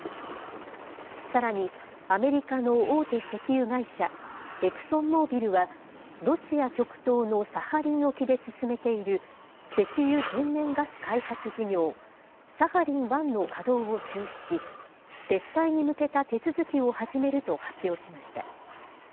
さらに、アメリカの大手石油会社、エクソンモービルは、ロシア極東のサハリン沖で進めている、石油・天然ガス開発事業、サハリン１の稼働を中止し、撤退に向けた手続きを始めると発表しました。